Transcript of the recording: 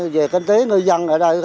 về kinh tế ngư dân ở đây